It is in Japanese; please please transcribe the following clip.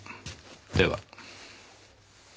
では。